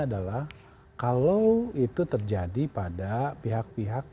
adalah kalau itu terjadi pada pihak pihak